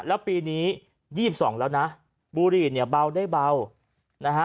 แล้วปีนี้ยี่สิบสองแล้วนะบูรีเนี่ยเบาได้เบานะฮะ